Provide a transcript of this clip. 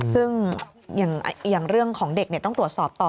ซึ่งอย่างเรื่องของเด็กต้องตรวจสอบต่อ